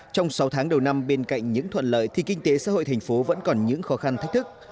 trong sáu tháng đầu năm bên cạnh những thuận lợi thì kinh tế xã hội thành phố vẫn còn những khó khăn thách thức